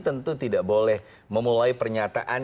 tentu tidak boleh memulai pernyataan